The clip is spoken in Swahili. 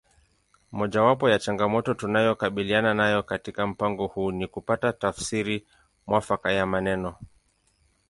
Mojawapo ya changamoto tunayokabiliana nayo katika mpango huu ni kupata tafsiri mwafaka ya maneno